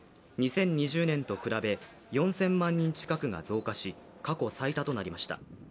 ２０２０年と比べ４０００万人近くが増加し過去最多となりました。